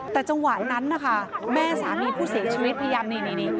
แต่จังหวะนั้นนะคะแม่สามีผู้เสียชีวิตพยายามนี่